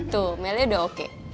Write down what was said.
tuh melly udah oke